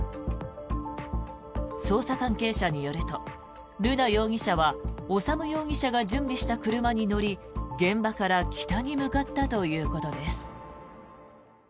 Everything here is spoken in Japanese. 捜査関係者によると瑠奈容疑者は修容疑者が準備した車に乗り現場から北に向かったということです。